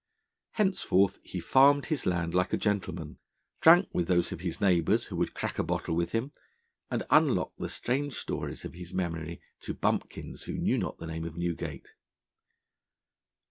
Henceforth he farmed his land like a gentleman, drank with those of his neighbours who would crack a bottle with him, and unlocked the strange stores of his memory to bumpkins who knew not the name of Newgate.